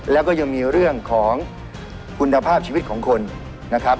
แล้วก็ยังมีเรื่องของคุณภาพชีวิตของคนนะครับ